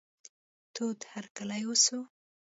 تود هرکلی وسو.